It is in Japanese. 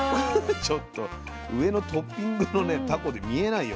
ちょっと上のトッピングのねタコに見えないよ